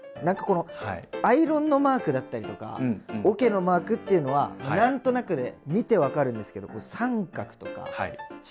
何かこのアイロンのマークだったりとかおけのマークっていうのは何となくで見て分かるんですけど「△」とか「□」